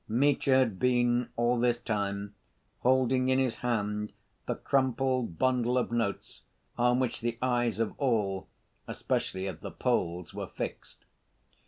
Mitya had been, all this time, holding in his hand the crumpled bundle of notes on which the eyes of all, especially of the Poles, were fixed.